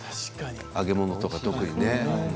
揚げ物とか特にね。